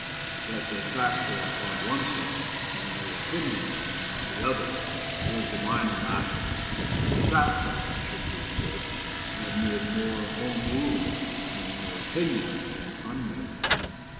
That their facts are upon one side and their opinions on the other is a minor matter. Their facts, I venture to assert, have made more Home Rulers than their opinions can unmake.